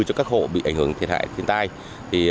cho các hộ bị ảnh hưởng thiệt hại thiên tai